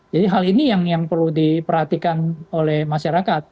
jadi hal ini yang perlu diperhatikan oleh masyarakat